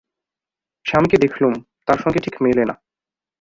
স্বামীকে দেখলুম, তার সঙ্গে ঠিক মেলে না।